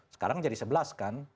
sekarang jadi sebelas kan